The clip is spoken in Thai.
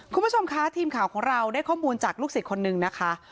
คุณผู้ชมคะทีมข่าวของเราได้ข้อมูลจากลูกศิษย์คนนึงนะคะ